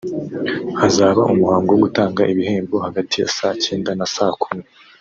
hazaba umuhango wo gutanga ibihembo hagati ya saa cyenda na saa kumi